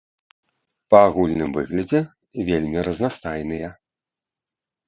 Па агульным выглядзе вельмі разнастайныя.